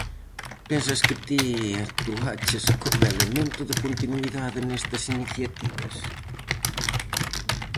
Pensas que ti actuaches coma elemento de continuidade nestas iniciativas?